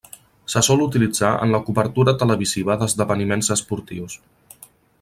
Se sol utilitzar en la cobertura televisiva d'esdeveniments esportius.